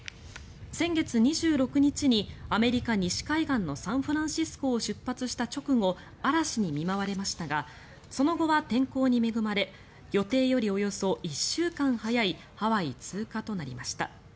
先月２６日に、アメリカ西海岸のサンフランシスコを出発した直後嵐に見舞われましたがその後は天候に恵まれ予定よりおよそ１週間早いハワイ通過となりました。